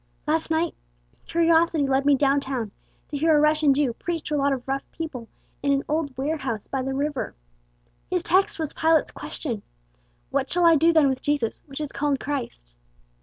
Last night curiosity led me down town to hear a Russian Jew preach to a lot of rough people in an old warehouse by the river. His text was Pilate's question, 'What shall I do then with Jesus, which is called Christ?'